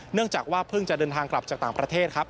เนื่องจากว่าเพิ่งจะเดินทางกลับจากต่างประเทศครับ